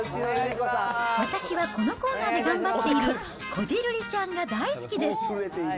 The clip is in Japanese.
私はこのコーナーで頑張っているこじるりちゃんが大好きです。